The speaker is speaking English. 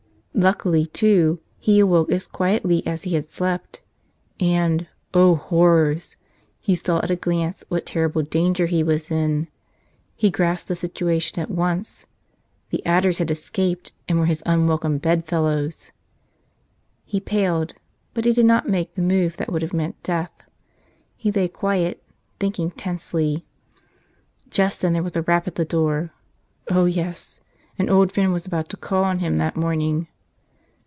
Luckily, too, he awoke as quietly as he had slept. And — O horrors! He saw at a glance what terrible danger he was in. He grasped the situation at once: the adders had escaped and were his unwelcome bed¬ fellows! He paled — but he did not make the move that would have meant death. He lay quiet, thinking tensely. Just then there was a rap at the door. Oh, yes ! An old friend was to call on him that morning.